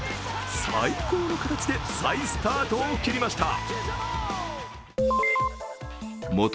最高の形で再スタートを切りました。